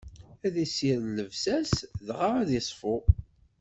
Ad issired llebsa-s, dɣa ad iṣfu.